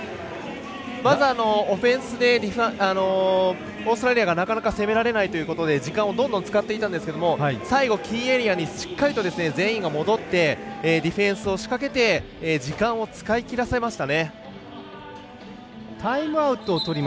まずオフェンスでオーストラリアがなかなか攻められないということで時間どんどん使っていたんですが最後キーエリアに残ってディフェンスを仕掛けて時間を使い切りました。